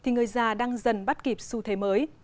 người già đang dần bắt kịp xu thế mới